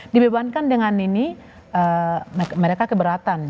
dibebankan dengan ini mereka keberatan